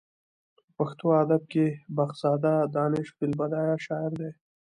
په پښتو ادب کې بخزاده دانش فې البدیه شاعر دی.